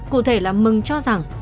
cụ thể là mừng cho rằng